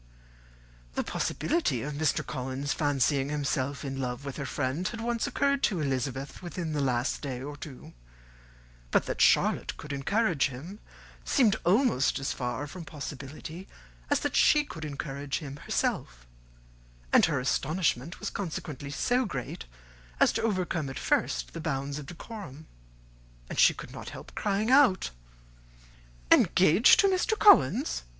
The possibility of Mr. Collins's fancying himself in love with her friend had once occurred to Elizabeth within the last day or two: but that Charlotte could encourage him seemed almost as far from possibility as that she could encourage him herself; and her astonishment was consequently so great as to overcome at first the bounds of decorum, and she could not help crying out, "Engaged to Mr. Collins!